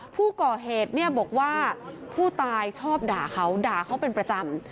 ผู้ก่อเหตุเนี่ยบอกว่าผู้ตายชอบด่าเขาด่าเขาเป็นประจำ